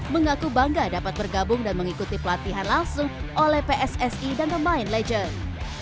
mengaku bangga dapat bergabung dan mengikuti pelatihan langsung oleh pssi dan pemain legend